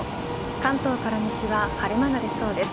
関東から西は晴れ間が出そうです。